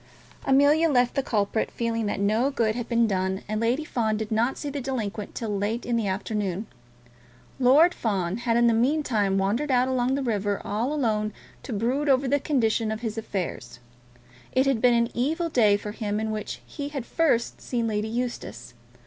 Amelia left the culprit, feeling that no good had been done, and Lady Fawn did not see the delinquent till late in the afternoon. Lord Fawn had, in the meantime, wandered out along the river all alone to brood over the condition of his affairs. It had been an evil day for him in which he had first seen Lady Eustace.